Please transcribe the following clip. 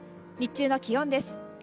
日中の気温です。